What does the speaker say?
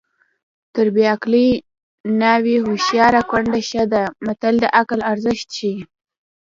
تر بې عقلې ناوې هوښیاره کونډه ښه ده متل د عقل ارزښت ښيي